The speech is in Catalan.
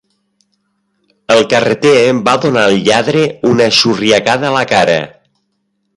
El carreter va donar al lladre una xurriacada a la cara.